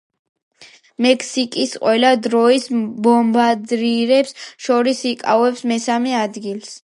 მექსიკის ყველა დროის ბომბარდირებს შორის იკავებს მესამე ადგილს.